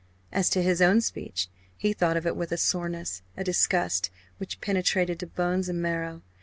As to his own speech he thought of it with a soreness, a disgust which penetrated to bones and marrow.